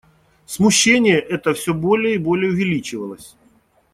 Смущение это всё более и более увеличивалось.